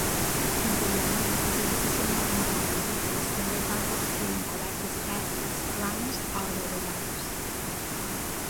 Anteriorment, els edificis monumentals egipcis també es van construir amb cobertes pètries planes o adovellades.